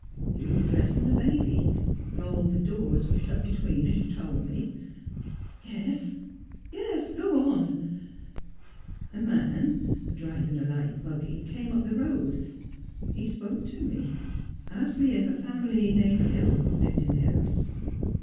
'' You were dressing the baby. All the doors were shut between, as you told me." '' Yes — yes ! Go on !"" A man, driving a light buggy, came up the road. He spoke to me — asked me if a family named Hill lived in the house.